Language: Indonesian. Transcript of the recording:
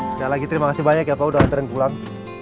sekali lagi terima kasih banyak ya pak udah tren pulang